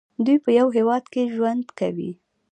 دوی په یو هیواد کې ژوند کوي.